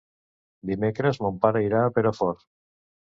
Dimecres mon pare irà a Perafort.